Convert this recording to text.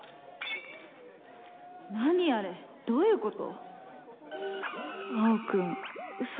何あれどういうこと？